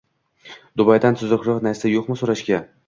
Dubaydan tuzukroq narsa yoʻqmi soʻrashga